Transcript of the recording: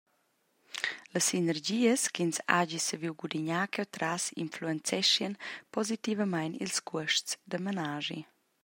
Las sinergias che ins hagi saviu gudignar cheutras influenzeschien positivamein ils cuosts da menaschi.